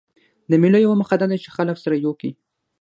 د مېلو یوه موخه دا ده، چي خلک سره یو کي.